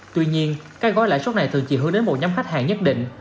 tuy nhiên các gói lãi suất này thường chỉ hướng đến một nhóm khách hàng nhất định